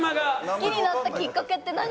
好きになったきっかけって何？